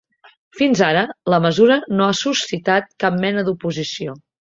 Fins ara, la mesura no ha suscitat cap mena d'oposició.